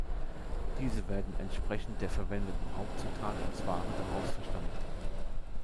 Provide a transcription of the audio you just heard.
Diese werden entsprechend der verwendeten Hauptzutat als Ware daraus verstanden.